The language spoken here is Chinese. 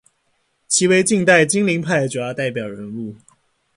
其为近代金陵派主要代表人物。